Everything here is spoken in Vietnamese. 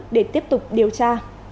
để tiếp tục điều tra